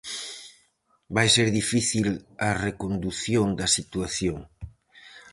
Vai ser difícil a recondución da situación.